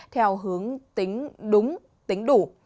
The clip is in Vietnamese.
theo hướng tính đúng tính đủ